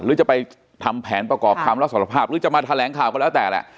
หรือจะไปทำแผนประกอบคำรับสารภาพหรือจะมาแถลงข่าวก็แล้วแต่แหละ